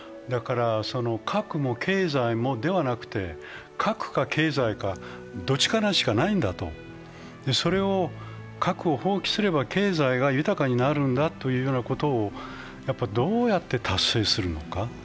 核も経済も、ではなくて核か経済かどっちかしかないんだと核を放棄すれば経済が豊かになるんだということをどうやって達成するのか。